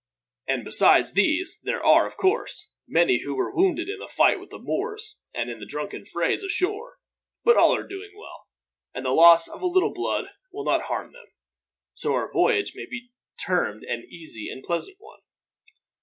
And besides these there are, of course, many who were wounded in the fight with the Moors and in drunken frays ashore; but all are doing well, and the loss of a little blood will not harm them, so our voyage may be termed an easy and pleasant one.